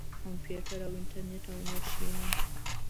کمپیوټر او انټرنټ او نور شیان.